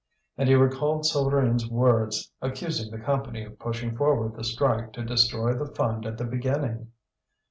And he recalled Souvarine's words accusing the Company of pushing forward the strike to destroy the fund at the beginning.